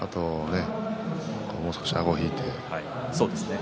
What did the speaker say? もう少しあごを引いてですね